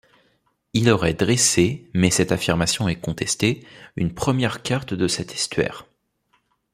Il aurait dressé, mais cette affirmation est contestée, une première carte de cet estuaire.